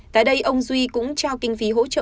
tại đây ông duy cũng trao kinh phí hỗ trợ